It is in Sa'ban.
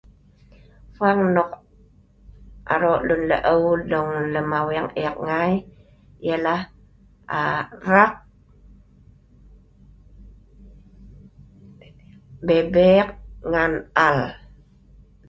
Fuang nok lem aweng amai nan rak.babek ngan al,